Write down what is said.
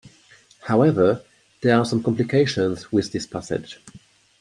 However, there are some complications with this passage.